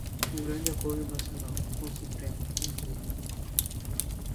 Um grande acordo nacional, com Supremo, com tudo